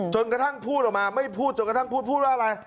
จนกระทั่งพูดออกมาไม่พูดจนกระทั่งพูดพูดว่าอะไร